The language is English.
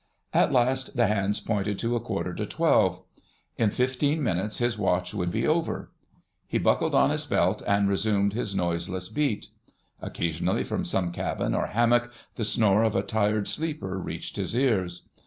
At last the hands pointed to a quarter to twelve. In fifteen minutes his watch would be over. He buckled on his belt and resumed his noiseless beat. Occasionally from some cabin or hammock the snore of a tired sleeper reached his ears.